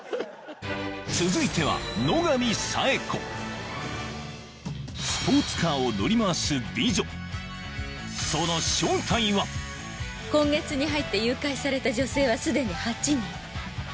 続いてはスポーツカーを乗り回す美女その今月に入って誘拐された女性は既に８人。